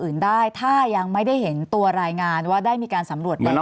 อื่นได้ถ้ายังไม่ได้เห็นตัวรายงานว่าได้มีการสำรวจแล้ว